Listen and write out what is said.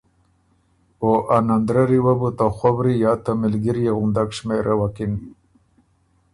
او ا نندرَرّی وه بو ته خؤری یا ته مِلګريې غُندک شمېروکِن۔